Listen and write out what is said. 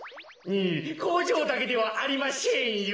こうじょうだけではありまシェンよ。